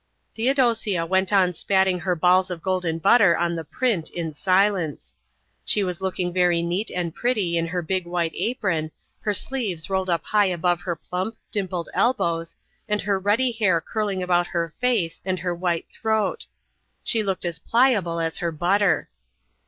Theodosia went on spatting her balls of golden butter on the print in silence. She was looking very neat and pretty in her big white apron, her sleeves rolled up high above her plump, dimpled elbows, and her ruddy hair curling about her face and her white throat. She looked as pliable as her butter.